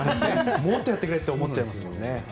もっとやってくれって思っちゃいますもんね。